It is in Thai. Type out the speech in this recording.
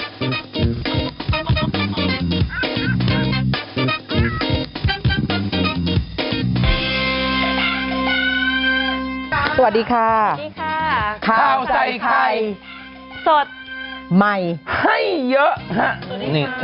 สวัสดีค่ะสวัสดีค่ะข้าวใส่ไข่สดใหม่เยอะสวัสดีค่ะ